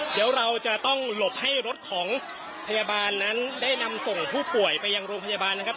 เดี๋ยวเราจะต้องหลบให้รถของพยาบาลนั้นได้นำส่งผู้ป่วยไปยังโรงพยาบาลนะครับ